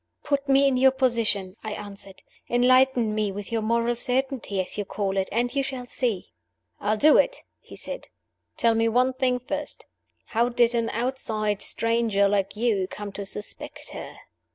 "Put me in your position," I answered. "Enlighten me with your moral certainty (as you call it) and you shall see!" "I'll do it!" he said. "Tell me one thing first. How did an outside stranger, like you, come to suspect her?"